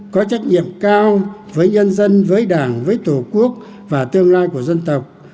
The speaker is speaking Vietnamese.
có trách nhiệm cao với nhân dân với đảng với tổ quốc và tương lai của dân tộc